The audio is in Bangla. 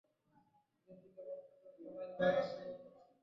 জেপি, কেবল শুধু থালাইভার আশির্বাদ নিচ্ছি।